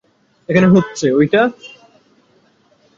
এখনো হচ্ছে ঐটা?